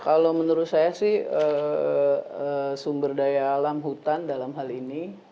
kalau menurut saya sih sumber daya alam hutan dalam hal ini